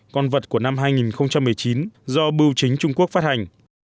con vật của năm hai nghìn một mươi chín do bưu chính trung quốc phát hành